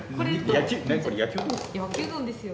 焼きうどんですよ。